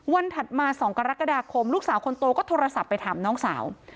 ถัดมา๒กรกฎาคมลูกสาวคนโตก็โทรศัพท์ไปถามน้องสาว